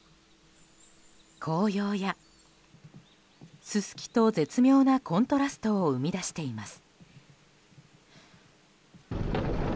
紅葉やススキと絶妙なコントラストを生み出しています。